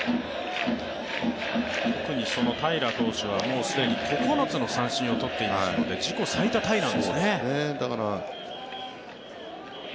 特に平良投手はもう既に９つの三振を取っていますので自己最多タイなんですね。